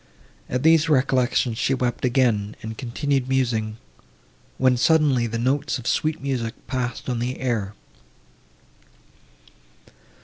At these recollections she wept again, and continued musing, when suddenly the notes of sweet music passed on the air.